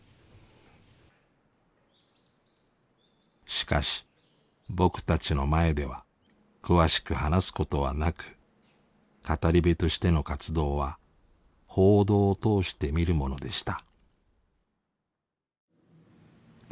しかし僕たちの前では詳しく話すことはなく語り部としての活動は報道を通して見るものでした。